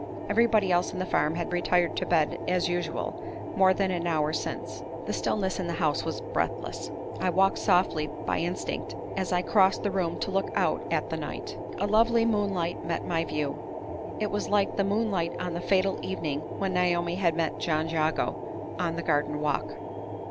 Everybody else in the farm had retired to bed, as usual, more than an hour since. The stillness in the house was breathless. I walked softly, by instinct, as I crossed the room to look out at the night. A lovely moonlight met my view; it was like the moonlight on the fatal evening when Naomi had met John Jago on the garden walk.